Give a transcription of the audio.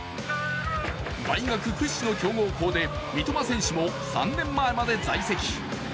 大学屈指の強豪校で三笘選手も３年前まで在籍。